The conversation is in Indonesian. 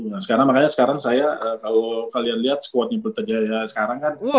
nah sekarang makanya sekarang saya kalau kalian lihat squad niputa jaya sekarang kan